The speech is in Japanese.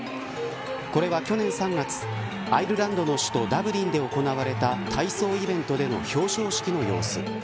これは去年３月、アイルランドの首都ダブリンで行われた体操イベントでの表彰式の様子。